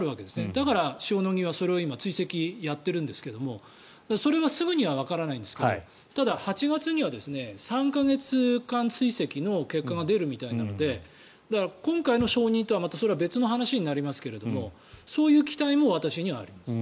だから塩野義はそれを追跡やってるんですがそれはすぐにはわからないんですがただ、８月には３か月間追跡の結果が出るみたいなので今回の承認とは別の話になりますがそういう期待も私にはあります。